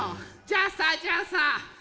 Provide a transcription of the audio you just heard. じゃあさじゃあさ